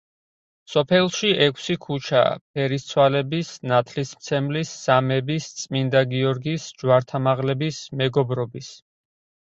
სოფელში ექვსი ქუჩაა: ფერისცვალების, ნათლისმცემლის, სამების, წმინდა გიორგის, ჯვართამაღლების, მეგობრობის.